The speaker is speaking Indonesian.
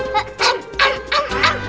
berdiri di sini